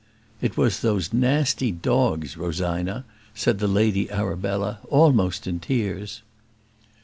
"It was those nasty dogs, Rosina," said the Lady Arabella, almost in tears.